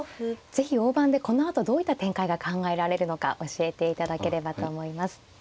是非大盤でこのあとどういった展開が考えられるのか教えていただければと思います。